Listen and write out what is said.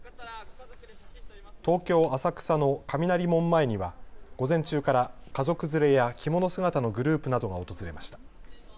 東京浅草の雷門前には午前中から家族連れや着物姿のグループなどが訪れました。